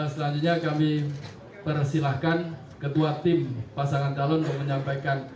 selanjutnya kami persilahkan ketua tim pasangan calon untuk menyampaikan